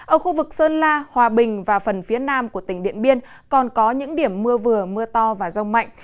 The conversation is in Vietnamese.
ở khu vực sơn la hòa bình và phần phía nam của tỉnh điện biên còn có những điểm mưa vừa mưa to và rông mạnh